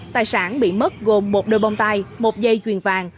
tài sản bị mất gồm một đôi bông tai một dây chuyền vàng